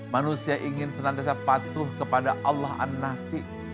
manusia ingin senantiasa patuh kepada allah an nafi